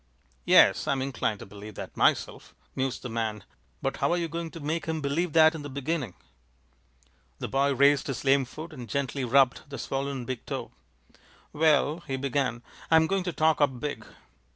"Yes, I'm inclined to believe that myself," mused the man. "But how are you going to make him believe that in the beginning?" The boy raised his lame foot and gently rubbed the swollen big toe. "Well," he began, "I'm going to talk up big.